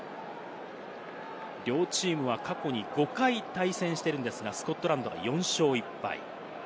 両チームは過去に５回対戦しているんですが、スコットランドが４勝１敗。